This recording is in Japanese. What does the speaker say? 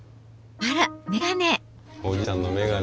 あらメガネ！